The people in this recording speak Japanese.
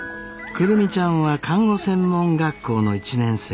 久留美ちゃんは看護専門学校の１年生。